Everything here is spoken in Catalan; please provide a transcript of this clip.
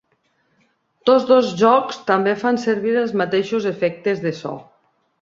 Tots dos jocs també fan servir els mateixos efectes de so.